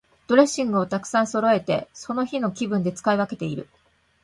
ドレッシングをたくさんそろえて、その日の気分で使い分けている。